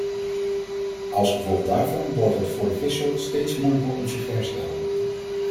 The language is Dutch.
Als gevolg daarvan wordt het voor de vissoort steeds moeilijker om zich te herstellen.